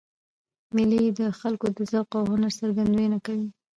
مېلې د خلکو د ذوق او هنر څرګندونه کوي.